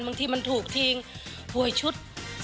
บางทีมันถูกทิ้งหวยชุด